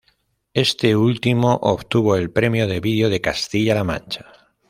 Este último obtuvo el Premio de Vídeo de Castilla-La Mancha.